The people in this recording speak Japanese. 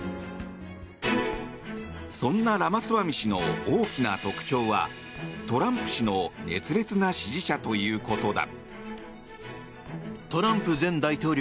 そんなラマスワミ氏の大きな特徴はトランプ氏の熱烈な支持者ということだ。